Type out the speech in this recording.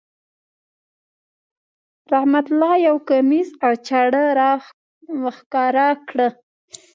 رحمت الله یو کمیس او چاړه را وښکاره کړه.